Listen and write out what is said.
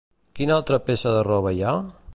Quina altra peça de roba hi ha?